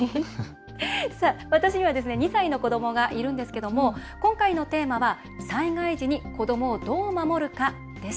私には２歳の子どもがいるんですけども今回のテーマは災害時に子どもをどう守るかです。